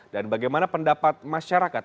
dan bagaimana pendapat masyarakat